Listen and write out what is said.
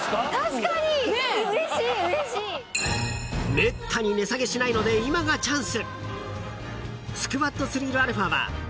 ［めったに値下げしないので今がチャンス］